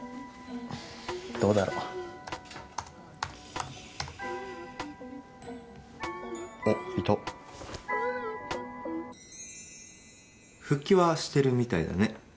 どうだろあっいた復帰はしてるみたいだね